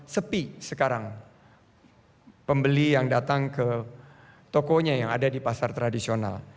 sepi sekarang pembeli yang datang ke tokonya yang ada di pasar tradisional